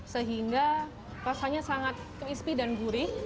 sehingga rasanya sangat crispy dan gurih